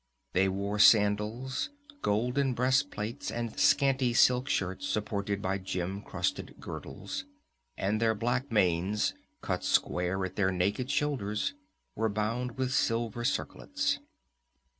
They wore sandals, golden breast plates, and scanty silk skirts supported by gem crusted girdles, and their black manes, cut square at their naked shoulders, were bound with silver circlets.